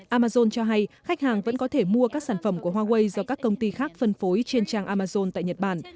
amazon cho hay khách hàng vẫn có thể mua các sản phẩm của huawei do các công ty khác phân phối trên trang amazon tại nhật bản